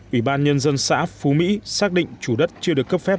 ủy ban nhân dân xã phú mỹ xác định chủ đất chưa được cấp phép